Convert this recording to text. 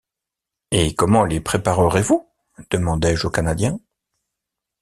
Et comment les préparerez-vous ? demandai-je au Canadien.